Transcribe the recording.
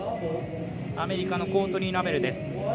アメリカのコートニー・ラメルです。